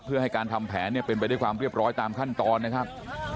เพื่อให้การทำแผนเป็นไปด้วยความเรียบร้อยตามขั้นตอนนะครับ